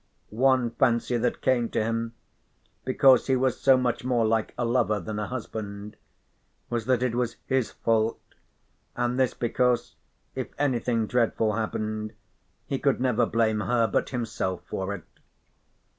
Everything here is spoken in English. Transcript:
One fancy that came to him, because he was so much more like a lover than a husband, was that it was his fault, and this because if anything dreadful happened he could never blame her but himself for it.